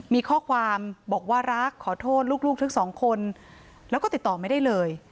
มีข้อความบอกว่ารักขอโทษลูกทั้งสองคนแล้วก็ติดต่อไม่ได้เลย